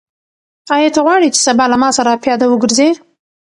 آیا ته غواړې چې سبا له ما سره پیاده وګرځې؟